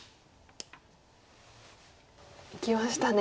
いきましたね。